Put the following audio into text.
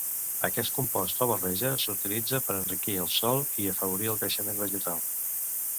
Aquest compost o barreja s'utilitza per enriquir el sòl i afavorir el creixement vegetal.